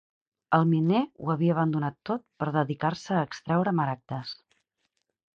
El miner ho havia abandonat tot per dedicar-se a extreure maragdes.